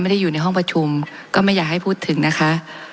อยู่ในห้องประชุมก็ไม่อยากให้พูดถึงนะคะ